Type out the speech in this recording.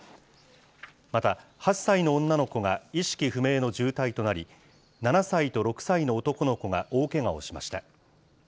また、８歳の女の子が意識不明の重体となり、７歳と６歳の男の子が大けがをしました。